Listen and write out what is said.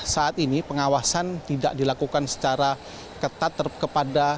saat ini pengawasan tidak dilakukan secara ketat kepada